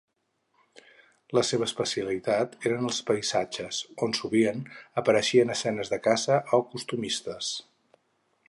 La seva especialitat eren els paisatges, on sovint apareixen escenes de caça o costumistes.